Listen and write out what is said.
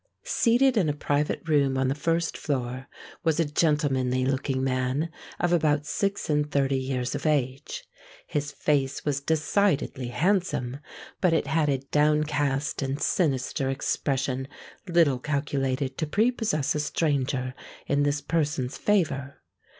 Seated in a private room on the first floor was a gentlemanly looking man, of about six and thirty years of age. His face was decidedly handsome; but it had a downcast and sinister expression little calculated to prepossess a stranger in this person's favour.